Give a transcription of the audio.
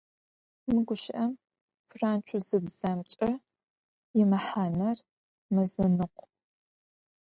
Mı guşı'em frantsuzıbzemç'e yimehaner mezenıkhu.